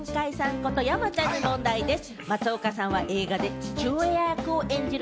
こと、山ちゃんに問題です。